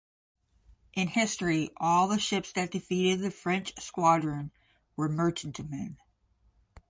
In history, all the ships that defeated the French squadron were merchantmen.